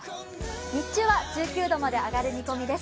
日中は１９度まで上がる見込みです。